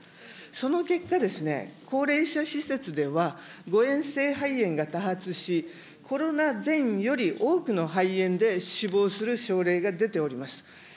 その結果ですね、高齢者施設では誤嚥性肺炎が多発し、コロナ前より多くの肺炎で死亡する症例が出ております。